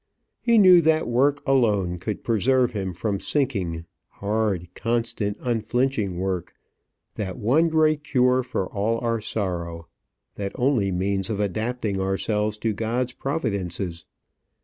He knew that work alone could preserve him from sinking hard, constant, unflinching work, that one great cure for all our sorrow, that only means of adapting ourselves to God's providences.